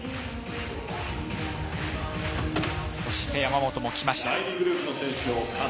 そして山本も来ました。